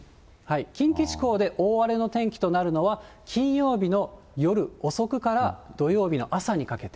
近畿地方で大荒れの天気となるのは、金曜日の夜遅くから、土曜日の朝にかけて。